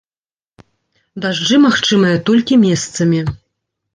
Дажджы магчымыя толькі месцамі.